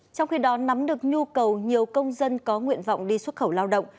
trong khi đó nắm được nhu cầu nhiều công dân có nguyện vọng đi xuất khẩu lao động